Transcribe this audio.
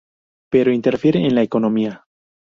Pero interfiere en la economía.